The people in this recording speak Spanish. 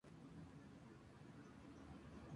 Esto es claramente inconveniente para ellos.